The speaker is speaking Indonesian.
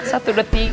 satu dua ti